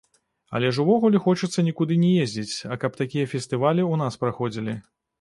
Але ж увогуле хочацца нікуды не ездзіць, а каб такія фестывалі ў нас праходзілі.